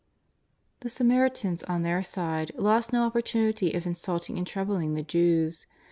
'' The Samaritans on their side lost no opportunity of insulting and troubling the Jews.